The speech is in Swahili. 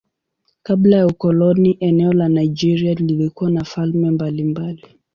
Kabla ya ukoloni eneo la Nigeria lilikuwa na falme mbalimbali.